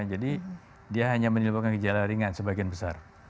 jadi dia hanya menyebabkan gejala ringan sebagian besar